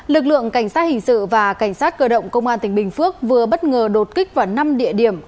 lực lượng cảnh sát hình sự và cảnh sát cơ động công an tỉnh bình phước vừa bất ngờ đột kích vào năm địa điểm